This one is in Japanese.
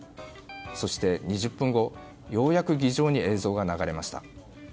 そして２０分後ようやく議場に映像が流れました。